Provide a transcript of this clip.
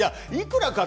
いくらか？